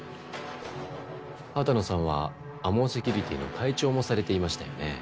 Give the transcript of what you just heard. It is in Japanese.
波多野さんはＡＭＯセキュリティーの会長もされていましたよね？